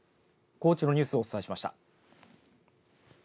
高知のニュースをお伝えしました。